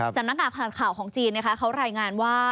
สำนักงานข่าวของจีนนะคะเขารายงานว่า